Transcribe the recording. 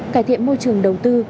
cải thiện môi trường đầu tư